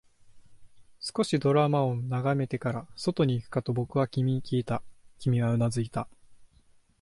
少しドラマを眺めてから、外に行くかと僕は君にきいた、君はうなずいた